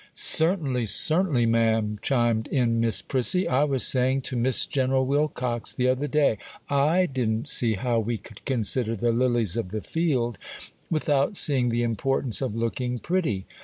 'Certainly, certainly, ma'am,' chimed in Miss Prissy. 'I was saying to Miss General Wilcox, the other day, I didn't see how we could "consider the lilies of the field," without seeing the importance of looking pretty.